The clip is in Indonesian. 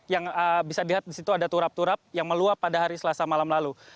yang bisa dilihat di situ ada turap turap yang meluap pada hari selasa malam lalu